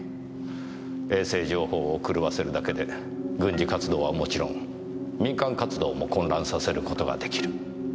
衛星情報を狂わせるだけで軍事活動はもちろん民間活動も混乱させる事ができる。